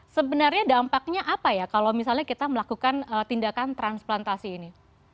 sebenarnya dampaknya apa ya kalau misalnya kita melakukan tindakan transplantasi ini